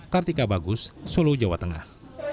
kartika bagus solo jawa tengah